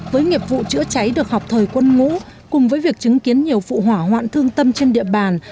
với nghiệp vụ chữa cháy được học thời quân ngũ cùng với việc chứng kiến nhiều vụ hỏa hoạn thương tâm trên địa bàn